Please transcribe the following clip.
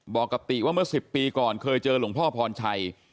บอกกับติว่าเมื่อ๑๐ปีก่อนเคยเจอหลวงพ่อพรชัย